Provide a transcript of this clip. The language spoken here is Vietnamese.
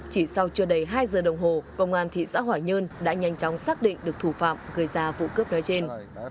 chỉ sau chưa đầy hai giờ đồng hồ công an thị xã hỏa nhơn đã nhanh chóng xác định được thủ phạm gây ra vụ cướp nói trên